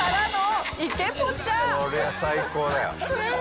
こりゃ最高だよ。